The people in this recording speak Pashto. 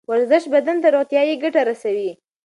ورزش بدن ته روغتیایی ګټه رسوي